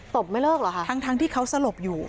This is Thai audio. บไม่เลิกเหรอคะทั้งที่เขาสลบอยู่